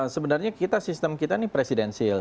sebenarnya sistem kita ini presidensil